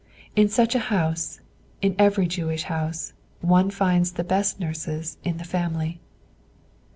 In such a house, in every Jewish house, one finds the best nurses in the family.